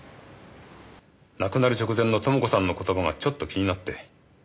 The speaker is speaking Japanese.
亡くなる直前の朋子さんの言葉がちょっと気になって。